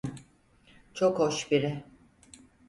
Çok hoş biri.